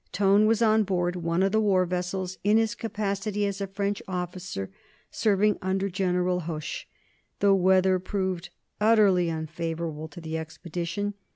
Tone was on board one of the war vessels in his capacity as a French officer serving under General Hoche. The weather proved utterly unfavorable to the expedition.